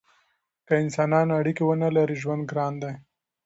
که انسانان اړیکې ونلري ژوند ګران دی.